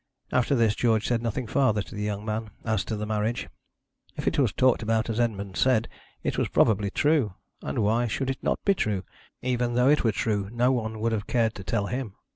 After this, George said nothing farther to the young man as to the marriage. If it was talked about as Edmond said, it was probably true. And why should it not be true? Even though it were true, no one would have cared to tell him.